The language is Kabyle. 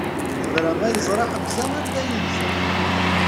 Tebra ma yeẓra Ḥemza anda yenza!